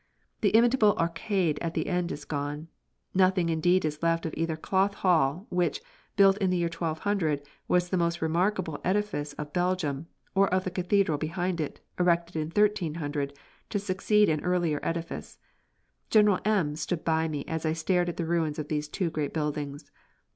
The inimitable arcade at the end is quite gone. Nothing indeed is left of either the Cloth Hall, which, built in the year 1200, was the most remarkable edifice of Belgium, or of the Cathedral behind it, erected in 1300 to succeed an earlier edifice. General M stood by me as I stared at the ruins of these two great buildings.